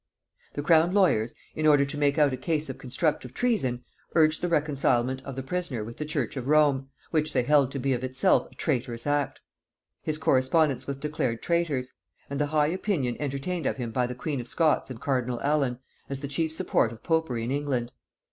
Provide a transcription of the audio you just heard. The crown lawyers, in order to make out a case of constructive treason, urged the reconcilement of the prisoner with the church of Rome, which they held to be of itself a traitorous act; his correspondence with declared traitors; and the high opinion entertained of him by the queen of Scots and cardinal Allen, as the chief support of popery in England.